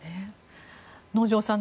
能條さん